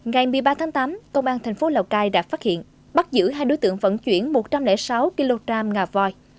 ngày một mươi ba tháng tám công an thành phố lào cai đã phát hiện bắt giữ hai đối tượng vận chuyển một trăm linh sáu kg ngà voi